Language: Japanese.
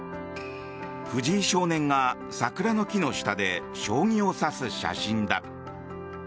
藤井少年が桜の木の下で将棋を指す写真だ。